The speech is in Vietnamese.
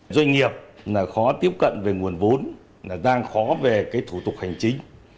doanh nghiệp khó tiếp cận về nguồn vốn đang khó về thủ tục hành chính